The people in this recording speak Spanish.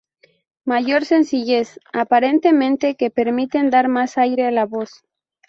Mayor sencillez, aparentemente, que permiten dar más aire a la voz.